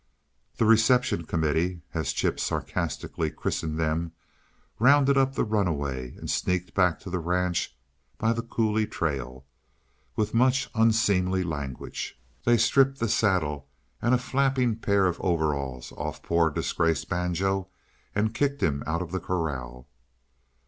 The "reception committee," as Chip sarcastically christened them, rounded up the runaway and sneaked back to the ranch by the coulee trail. With much unseemly language, they stripped the saddle and a flapping pair of overalls off poor, disgraced Banjo, and kicked him out of the corral.